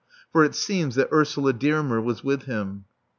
For it seems that Ursula Dearmer was with him.